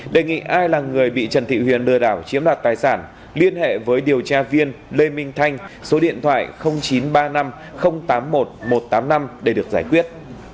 đề nghị ai là người bị trần thị huyền lừa đảo chiếm đoạt tài sản liên hệ với điều tra viên lê minh thanh số điện thoại chín trăm ba mươi năm tám mươi một một trăm tám mươi năm để được giải quyết